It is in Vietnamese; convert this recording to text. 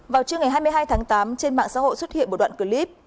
vào trưa ngày hai mươi hai tháng tám trên mạng xã hội xuất hiện một đoạn clip